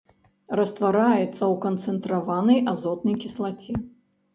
Раствараецца ў канцэнтраванай азотнай кіслаце.